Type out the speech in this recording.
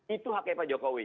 itu haknya pak jokowi